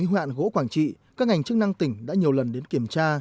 trong khi hoạn gỗ quảng trị các ngành chức năng tỉnh đã nhiều lần đến kiểm tra